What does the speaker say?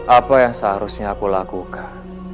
apa yang seharusnya aku lakukan